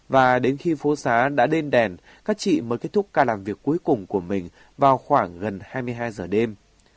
và đến khi phố xá đã đền đèn các chị mới kết thúc ca làm việc cuối cùng của mình vào khoảng gần hai mươi hai giờ đêm